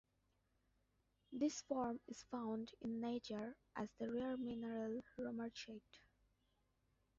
This form is found in nature as the rare mineral romarchite.